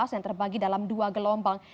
yang terbagi dalam dua gelombang